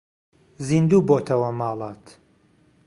زیندوو بۆتەوە ماڵات